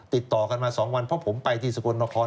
ติดต่อกันมา๒วันเพราะผมไปที่สกลนคร